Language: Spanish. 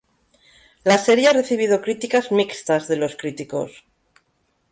La serie ha recibido críticas mixtas de los críticos.